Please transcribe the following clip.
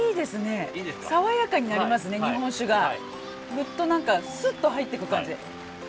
あっ何かすっと入っていく感じ。